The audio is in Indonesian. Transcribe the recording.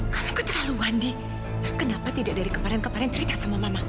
kamu ke terlalu wandi kenapa tidak dari kemarin kemarin cerita sama mamaku